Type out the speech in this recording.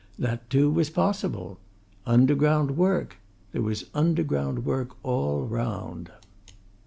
That, too, was possible. Underground work! There was underground work all round.